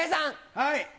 はい。